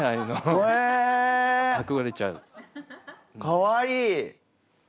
かわいい！